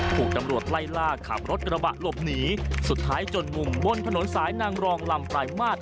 ถูกตำรวจไล่ล่าขับรถกระบะหลบหนีสุดท้ายจนมุมบนถนนสายนางรองลำปลายมาตร